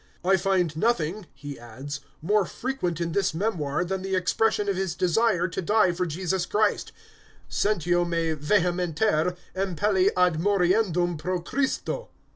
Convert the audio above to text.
"I find nothing," he adds, "more frequent in this memoir than the expression of his desire to die for Jesus Christ: 'Sentio me vehementer impelli ad moriendum pro Christo.'...